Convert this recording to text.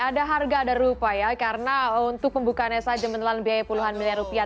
ada harga ada rupa ya karena untuk pembukaannya saja menelan biaya puluhan miliar rupiah